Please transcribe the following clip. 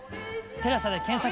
「テラサ」で検索！